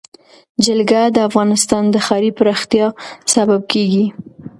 جلګه د افغانستان د ښاري پراختیا سبب کېږي.